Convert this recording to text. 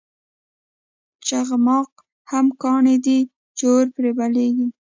چخماق هغه کاڼی دی چې اور پرې بلیږي.